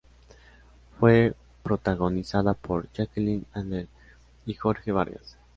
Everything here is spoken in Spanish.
Fue protagonizada por Jacqueline Andere y Jorge Vargas.